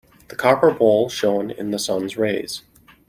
The copper bowl shone in the sun's rays.